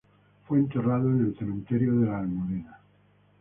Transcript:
Fue enterrado en el cementerio de la Almudena.